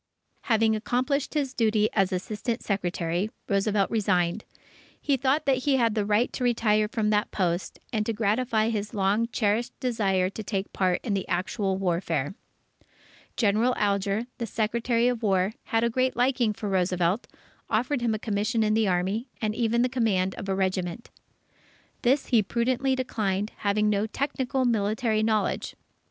Having accomplished his duty as Assistant Secretary, Roosevelt resigned. He thought that he had a right to retire from that post, and to gratify his long cherished desire to take part in the actual warfare. General Alger, the Secretary of War, had a great liking for Roosevelt, offered him a commission in the Army, and even the command of a regiment. This he prudently declined, having no technical military knowledge.